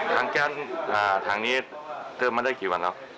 ทางแกนทางนี้เติมมาได้กี่วันแล้ว